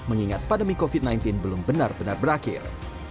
mengingat pandemi covid sembilan belas belum benar benar berakhir